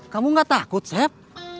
kamu gak takut sep